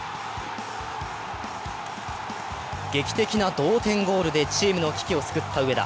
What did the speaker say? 劇的な同点ゴールでチームの危機を救った上田。